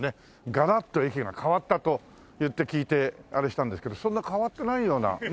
ガラッと駅が変わったと聞いてあれしたんですけどそんな変わってないようなね